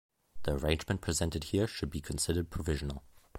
The arrangement presented here should be considered provisional.